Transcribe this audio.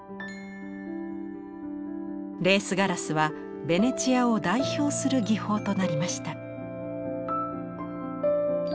レース・ガラスはベネチアを代表する技法となりました。